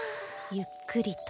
ゆっくりと。